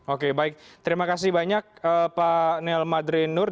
oke baik terima kasih banyak pak anil madrin nur